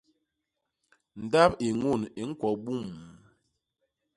Ndap i ñun i ñkwo buum!